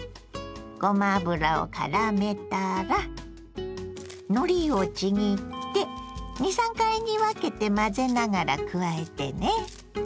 ごま油をからめたらのりをちぎって２３回に分けて混ぜながら加えてね。